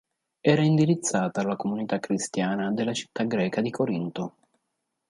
Era indirizzata alla comunità cristiana della città greca di Corinto.